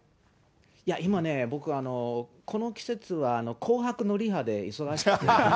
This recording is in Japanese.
いや、今ね、僕、この季節は、紅白のリハで忙しくて。